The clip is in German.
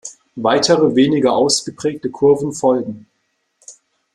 Weitere weniger ausgeprägte Kurven folgen.